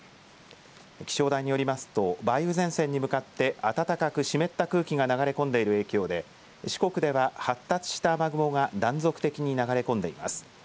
気象台によりますと梅雨前線に向かって暖かく湿った空気が流れ込んでいる影響で四国では発達した雨雲が断続的に流れ込んでいます。